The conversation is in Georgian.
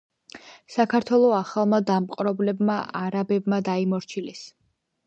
საქართველო ახალმა დამპყრობლებმა არაბებმა დაიმორჩილეს.